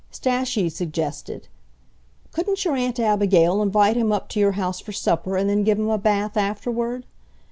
Stashie suggested, "Couldn't your Aunt Abigail invite him up to your house for supper and then give him a bath afterward?"